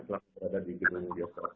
selama berada di geoskop